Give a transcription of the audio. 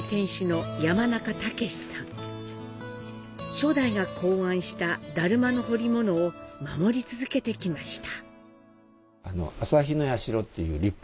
初代が考案した達磨の彫り物を守り続けてきました。